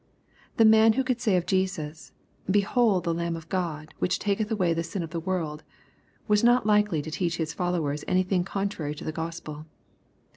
The man who could say of Jesus, " Behold the Lamb of God, which taketh away the sia of the world," was not likely to teach his followers anything contrary to the Gospel.